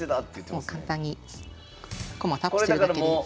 もう簡単に駒タップするだけで。